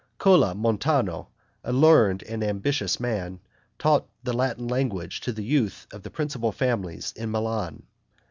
Cola Montano, a learned and ambitious man, taught the Latin language to the youth of the principal families in Milan.